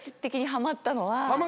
ハマったのは？